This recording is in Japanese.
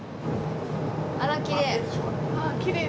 あらきれい。